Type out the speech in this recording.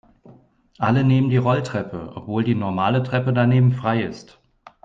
Alle nehmen die Rolltreppe, obwohl die normale Treppe daneben frei ist.